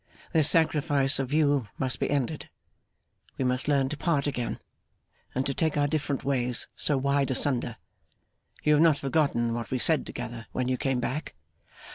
This sacrifice of you must be ended. We must learn to part again, and to take our different ways so wide asunder. You have not forgotten what we said together, when you came back?